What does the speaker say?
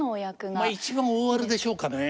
まあ一番大ワルでしょうかね。